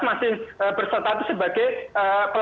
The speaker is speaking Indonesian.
masih bersataku sebagai pelakunya